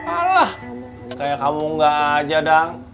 alah kayak kamu enggak aja dong